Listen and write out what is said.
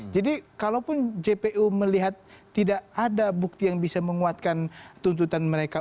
jadi kalaupun jpu melihat tidak ada bukti yang bisa menguatkan tuntutan mereka